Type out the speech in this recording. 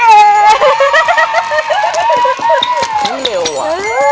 เขาเร็วอ่ะ